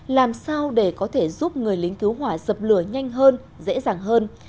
làm sao để có thể giúp người lính cứu hỏa dập lửa nhanh hơn dễ dàng hơn